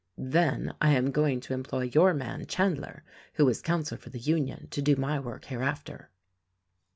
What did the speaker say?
"Then I am going to employ your man Chandler, who is counsel for the Union, to do my work hereafter."